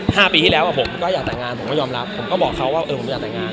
ห้าปีที่แล้วอ่ะผมก็อยากแต่งงานผมก็ยอมรับผมก็บอกเขาว่าเออผมอยากแต่งงาน